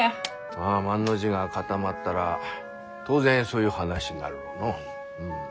まあ万の字が固まったら当然そういう話になるろうのう。